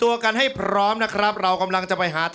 ออกออกออกออกออกออกออกออกออกออกออกออก